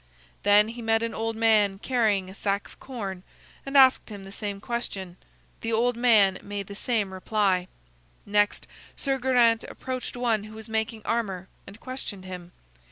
Then he met an old man carrying a sack of corn, and asked him the same question. The old man made the same reply. Next Sir Geraint approached one who was making armor, and questioned him.